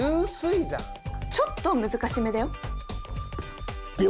ちょっと難しめだよ！